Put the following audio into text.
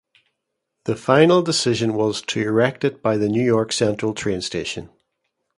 The final decision was to erect it by the New York Central train station.